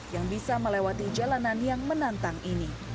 yang bisa melewati jalanan yang menantang ini